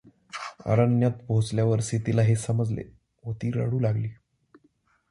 अरण्यात पोहोचल्यावर सीतेला हे समजले व ती रडू लागली.